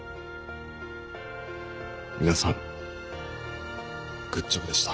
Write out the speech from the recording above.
皆さんグッジョブでした。